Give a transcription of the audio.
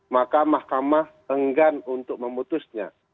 maka mahkamah enggan untuk memutusnya